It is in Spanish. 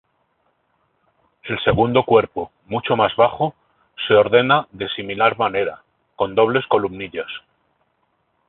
El segundo cuerpo, mucho más bajo, se ordena de similar manera, con dobles columnillas.